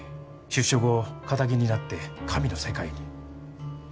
出所後堅気になって神の世界に。